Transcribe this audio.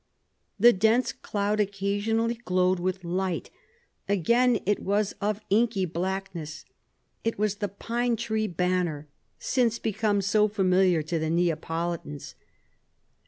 The dense cloud occasionally glowed with light; again, it was of inky blackness. It was the "pine tree banner," since become so familiar to the Neapolitans.